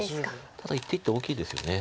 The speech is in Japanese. ただ一手一手大きいですよね。